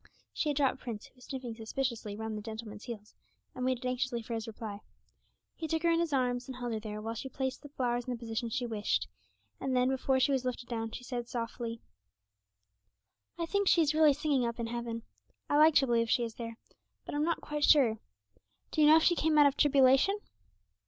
She had dropped Prince, who was sniffing suspiciously round the gentleman's heels, and waited anxiously for his reply. He took her in his arms, and held her there whilst she placed the flowers in the position she wished; and then, before she was lifted down, she said softly, 'I think she is really singing up in heaven. I like to believe she is there, but I'm not quite sure. Do you know if she came out of tribulation?'